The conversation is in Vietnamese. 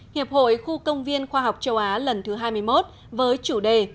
hiệp hội khu công viên khoa học châu á lần thứ hai mươi một với chủ đề